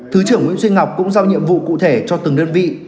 thứ trưởng nguyễn duy ngọc cũng giao nhiệm vụ cụ thể cho từng đơn vị